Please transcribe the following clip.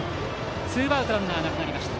ツーアウトランナーなくなりました。